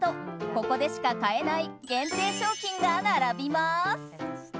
ここでしか買えない限定商品が並びます。